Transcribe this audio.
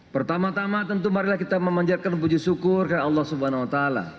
pertama tama tentu mari kita memanjarkan puji syukur ke allah swt